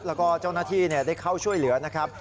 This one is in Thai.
แล้วก็เจ้าหน้าที่ได้เข้าช่วยเหลือนะครับ